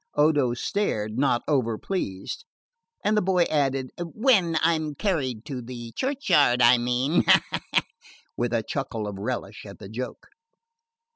Odo stared, not over pleased, and the boy added: "When I'm carried to the churchyard, I mean," with a chuckle of relish at the joke.